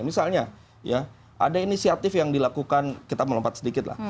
misalnya ya ada inisiatif yang dilakukan kita melompat sedikit lah